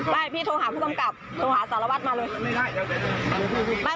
พี่โทรหาผู้กำกับโทรหาสารวัตรมาเลย